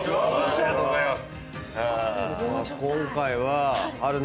ありがとうございます！